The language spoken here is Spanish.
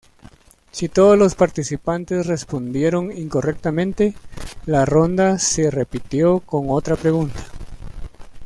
Si todos los participantes respondieron incorrectamente, la ronda se repitió con otra pregunta.